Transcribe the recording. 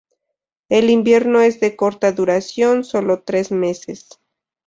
El invierno es de corta duración, sólo tres meses.